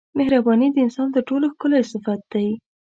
مهرباني د انسان تر ټولو ښکلی صفت دی.